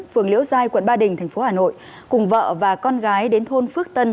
phường liễu giai quận ba đình thành phố hà nội cùng vợ và con gái đến thôn phước tân